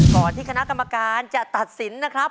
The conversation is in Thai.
ก่อนที่คณะกรรมการจะตัดสินนะครับ